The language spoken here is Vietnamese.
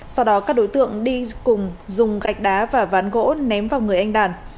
sau đó các đối tượng đi cùng dùng gạch đá và ván gỗ ném vào người anh đàn